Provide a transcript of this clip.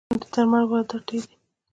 د درملو واردات ډیر دي